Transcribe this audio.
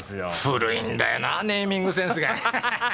古いんだよなぁネーミングセンスが。